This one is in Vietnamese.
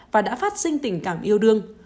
và đã phát sinh tình cảm yêu đương